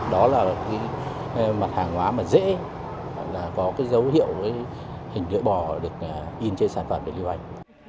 đó là mặt hàng hóa mà dễ có dấu hiệu hình lưỡi bò được in trên sản phẩm được lưu hành